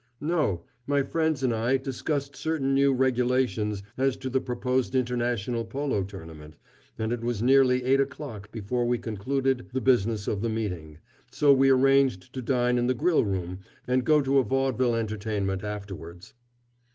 "No. My friends and I discussed certain new regulations as to the proposed international polo tournament, and it was nearly eight o'clock before we concluded the business of the meeting, so we arranged to dine in the grill room and go to a Vaudeville entertainment afterwards."